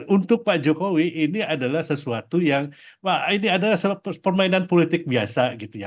untuk pak jokowi ini adalah sesuatu yang wah ini adalah permainan politik biasa gitu ya